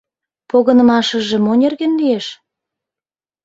Погынымашыже мо нерген лиеш?